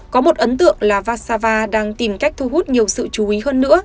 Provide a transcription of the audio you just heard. có một ấn tượng là vasava đang tìm cách thu hút nhiều sự chú ý hơn nữa